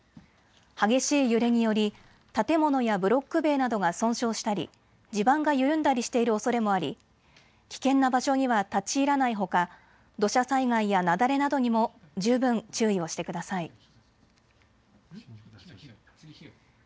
激しい揺れにより建物やブロック塀などが損傷したり地盤が緩んだりしているおそれもあり危険な場所には立ち入らないほか土砂災害や雪崩などにも十分、注意をしてください。